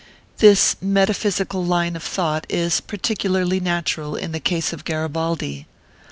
This metaphysical line of thought is particularly natural in the case of Garibaldi.